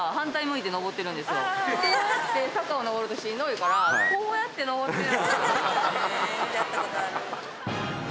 こうやって坂を上るとしんどいからこうやって上ってる。